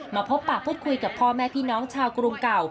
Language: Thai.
พบปากพูดคุยกับพ่อแม่พี่น้องชาวกรุงเก่า